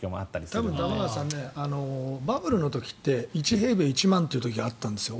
多分玉川さんバブルの時って１平米１万円という時があったんですよ。